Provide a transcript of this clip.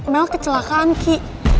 mel kecelakaan ki